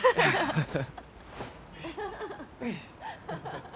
ハハハハ。